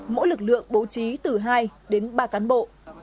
mỗi lực lượng bố trí từ hai đến ba cán bộ